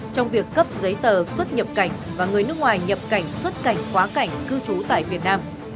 trong việc cấp giấy tờ xuất nhập cảnh và người nước ngoài nhập cảnh xuất cảnh quá cảnh cư trú tại việt nam